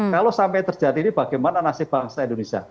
kalau sampai terjadi ini bagaimana nasib bangsa indonesia